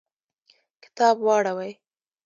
کتاب واوړوئ